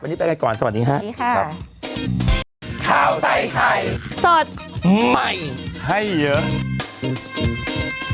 วันนี้เป็นไงก่อนสวัสดีค่ะสวัสดีค่ะ